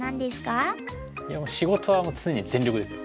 いや仕事はもう常に全力ですよ。